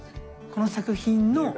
この作品の。